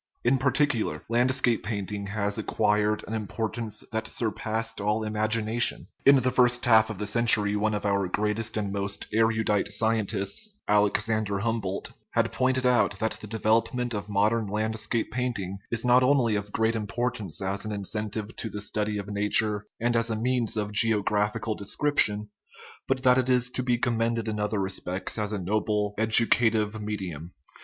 In par ticular, landscape painting has acquired an importance that surpassed all imagination. In the first half of the century one of our greatest and most erudite scientists, Alexander Humboldt, had pointed out that the devel opment of modern landscape painting is not only of great importance as an incentive to the study of nature and as a means of geographical description, but that it is to be commended in other respects as a noble edu cative medium.